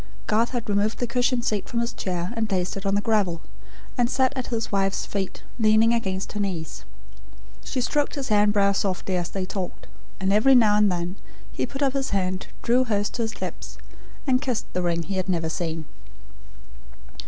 Garth had removed the cushion seat from his chair, and placed it on the gravel; and sat at his wife's feet leaning against her knees. She stroked his hair and brow softly, as they talked; and every now and then he put up his hand, drew hers to his lips, and kissed the ring he had never seen.